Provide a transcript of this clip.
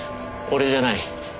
俺じゃない。